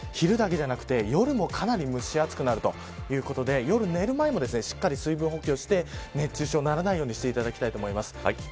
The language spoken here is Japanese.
昼だけじゃなくて、夜もかなり蒸し暑くなるということで夜、寝る前もしっかり水分補給をして熱中症にならないようにしていただきたいと思います。